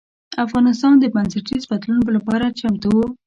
افغانستان د بنسټیز بدلون لپاره چمتو و.